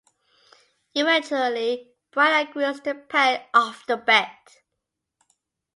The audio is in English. Eventually, Brian agrees to pay off the bet.